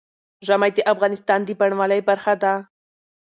ژمی د افغانستان د بڼوالۍ برخه ده.